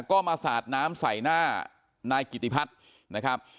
ก็มาสาดน้ำใส่หน้านายกิติพัฒน์นะครับ